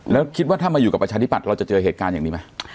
แล้วคิดว่าถ้ามาอยู่กับประชาธิบัตย์เราจะเจอเหตุการณ์อย่างนี้ไหม